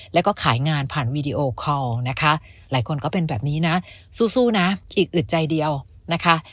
แล้วก็ขายงานผ่านวีดีโอคอลนะคะหลายคนก็เป็นแบบนี้นะสู้นะอีกอึดใจเดียวนะคะ